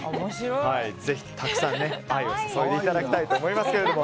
ぜひ、たくさん愛を注いでいただきたいと思います。